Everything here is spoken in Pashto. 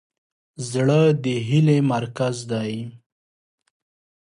زړه د هیلې مرکز دی.